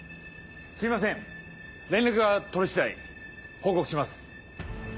すいません連絡が取れ次第報告します。